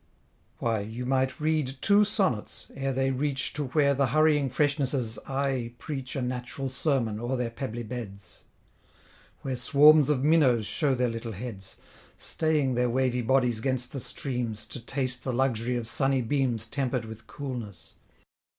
Why, you might read two sonnets, ere they reach To where the hurrying freshnesses aye preach A natural sermon o'er their pebbly beds; Where swarms of minnows show their little heads, Staying their wavy bodies 'gainst the streams, To taste the luxury of sunny beams Temper'd with coolness.